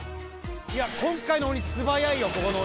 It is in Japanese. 今回の鬼、すばいよ、ここの鬼。